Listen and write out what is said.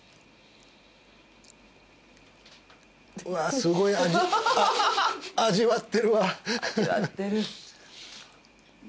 うわすごい味わってるわ。